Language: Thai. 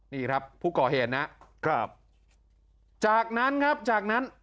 นี่ครับผู้ก่อเหตุนะครับจากนั้นครับจากนั้น